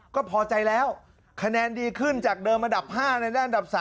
ก็พอใจแล้วคะแนนดีขึ้นจากเดิมอันดับ๕ในและอันดับ๓